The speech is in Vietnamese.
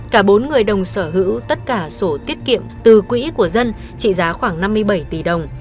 cả bốn người đồng sở hữu tất cả sổ tiết kiệm từ quỹ của dân trị giá khoảng năm mươi bảy tỷ đồng